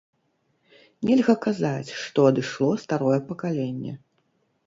Нельга казаць, што адышло старое пакаленне.